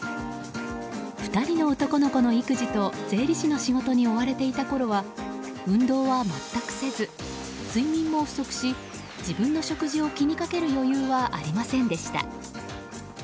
２人の男の子の育児と税理士の仕事に追われていたころは運動は全くせず、睡眠も不足し自分の食事を気に掛ける余裕はありませんでした。